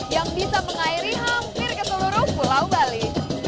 yang bisa mengairi hampir ke seluruh pulau bali